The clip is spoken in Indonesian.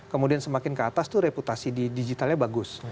kemudian semakin ke atas itu reputasi di digitalnya bagus